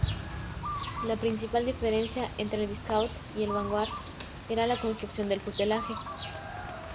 La principal diferencia entre el Viscount y el Vanguard era la construcción del fuselaje.